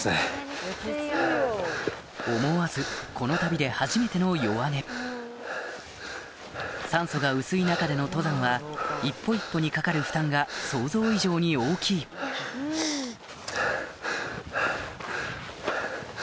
思わずこの旅で初めての弱音酸素が薄い中での登山は一歩一歩にかかる負担が想像以上に大きいハァハァハァハァ。